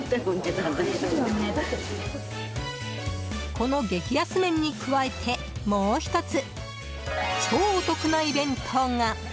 この激安麺に加えてもう１つ、超お得なイベントが！